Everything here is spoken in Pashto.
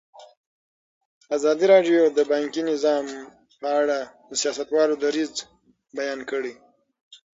ازادي راډیو د بانکي نظام په اړه د سیاستوالو دریځ بیان کړی.